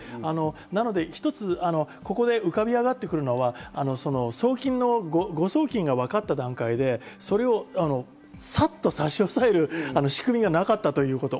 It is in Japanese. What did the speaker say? なので一つここで浮かび上がってくるのは、誤送金がわかった段階でさっと差押える仕組みがなかったということ。